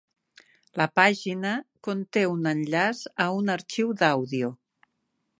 La pàgina conté un enllaç a un arxiu d'àudio